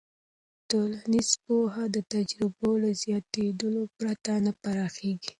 ټولنیز پوهه د تجربو له زیاتېدو پرته نه پراخېږي.